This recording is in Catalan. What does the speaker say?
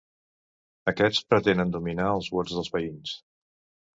Aquests pretenen dominar els vots dels veïns.